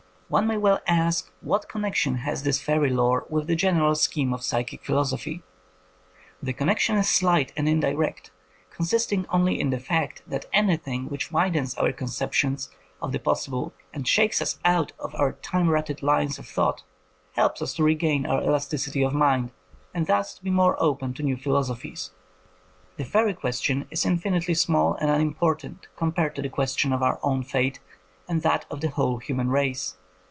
One may well ask what connection has this fairy lore with the general scheme of psychic philosophy ? The connection is slight and in direct, consisting only in the fact that any thing which widens our conceptions of the possible, and shakes us out of our time rutted lines of thought, helps us to regain our elasticity of mind, and thus to be more open to new philosophies. The fairy ques tion is infinitely small and unimportant com pared to the question of our own fate and that of the whole human race.